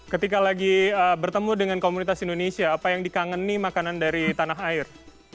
ketika lagi bertemu dengan komunitas indonesia apa yang dikangeni makanan dari tanah air